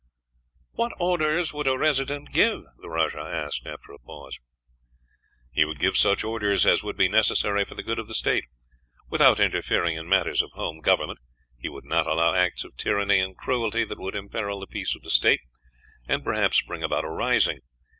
"What orders would a Resident give?" the rajah asked, after a pause. "He would give such orders as would be necessary for the good of the state; without interfering in matters of home government, he would not allow acts of tyranny and cruelty that would imperil the peace of the state, and perhaps bring about a rising.